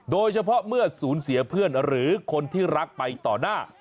โดยเฉพาะเมื่อสูญเสียเพื่อนหรือคนที่รักไปต่อหน้า